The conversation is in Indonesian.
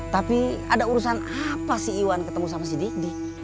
tapi ada urusan apa sih iwan ketemu sama si dikdi